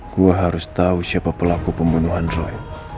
gue harus tahu siapa pelaku pembunuhan roy